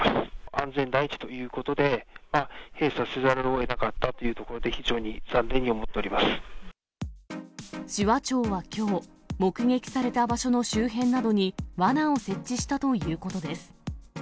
安全第一ということで、閉鎖せざるをえなかったというところで、非常に残念に思っており紫波町はきょう、目撃された場所の周辺などに、わなを設置したということです。